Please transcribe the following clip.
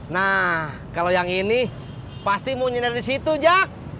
nah kalau yang ini pasti mau nyinar di situ jak